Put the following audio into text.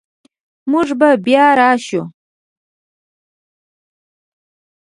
موږ به بیا راشو